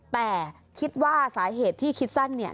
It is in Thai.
แต่คิดว่าสาเหตุที่คิดสั้นเนี่ย